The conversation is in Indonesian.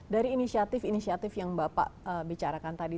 dari inisiatif inisiatif yang bapak bicarakan tadi